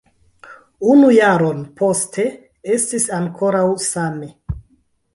Unu jaron poste, estis ankoraŭ same.